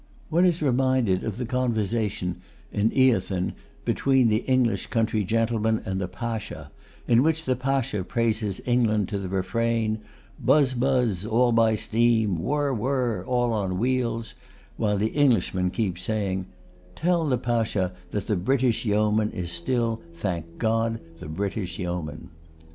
One is reminded of the conversation in Eothen between the English country gentleman and the Pasha, in which the Pasha praises England to the refrain: "Buzz, buzz, all by steam; whir, whir, all on wheels," while the Englishman keeps saying: "Tell the Pasha that the British yeoman is still, thank God, the British yeoman."